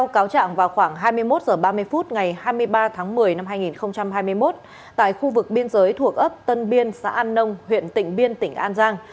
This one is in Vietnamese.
cáo trạng vào khoảng hai mươi một h ba mươi phút ngày hai mươi ba tháng một mươi năm hai nghìn hai mươi một tại khu vực biên giới thuộc ấp tân biên xã an nông huyện tỉnh biên tỉnh an giang